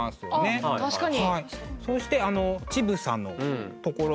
あ確かに。